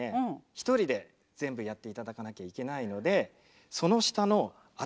一人で全部やっていただかなきゃいけないのでその下の当り鉦を持ちながら鞨鼓を。